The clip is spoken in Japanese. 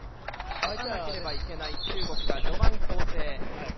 勝たなければいけない中国が序盤、攻勢。